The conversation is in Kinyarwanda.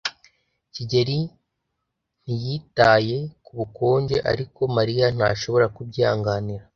kigeli ntiyitaye ku bukonje, ariko Mariya ntashobora kubyihanganira.